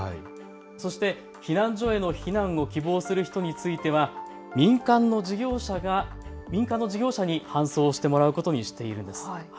そして避難所への避難を希望する人については民間の事業者に搬送してもらうことにしているんです。